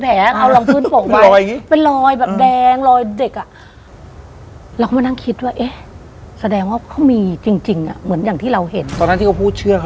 ตอนนั้นที่เขาพูดเชื่อเขาไหมครับ